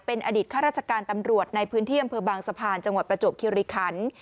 เป็นอดีตข้าราชการตำรวจในพื้นที่อำเภอบางสะพานจังหวัดประจวบคิริคัน